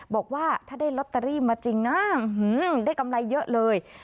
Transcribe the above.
บอกว่าถ้าได้ลอตเตอรี่มาจริงนะได้กำไรเยอะเลย